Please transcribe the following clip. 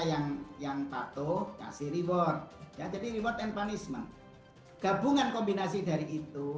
yang yang patuh kasih reward ya jadi reward and punishment gabungan kombinasi dari itu